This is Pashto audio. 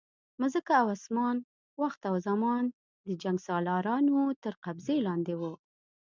مځکه او اسمان، وخت او زمان د جنګسالارانو تر قبضې لاندې وو.